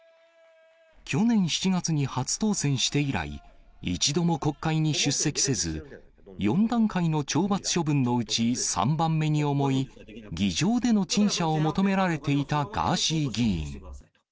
去年７月に初当選して以来、一度も国会に出席せず、４段階の懲罰処分のうち３番目に重い議場での陳謝を求められていたガーシー議員。